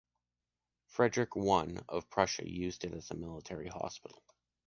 Frederic I of Prussia used it as a military hospital.